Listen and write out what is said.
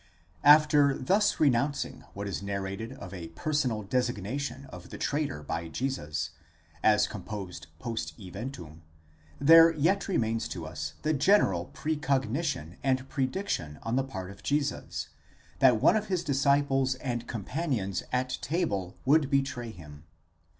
: After thus renouncing what is narrated of a personal designation of the traitor by Jesus, as composed Jost eventum, there yet remains to us the general precognition and prediction on the part of Jesus, that one of his disciples and companions at table would betray him.